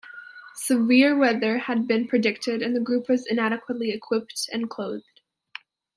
Severe weather had been predicted, and the group was inadequately equipped and clothed.